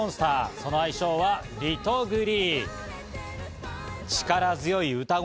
その愛称はリトグリ。